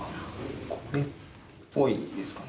これっぽいですかね。